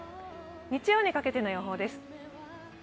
日曜にかけての予報です。